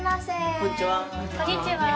こんにちは。